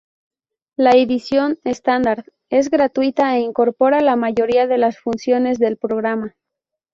La edición "Standard" es gratuita e incorpora la mayoría de las funciones del programa.